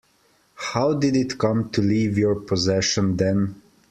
How did it come to leave your possession then?